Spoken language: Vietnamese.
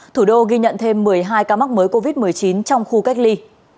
thủ đô ghi nhận thêm một mươi hai ca mắc mới covid một mươi chín trong khu cách ly